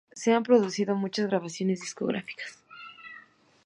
Se han producido muchas grabaciones discográficas.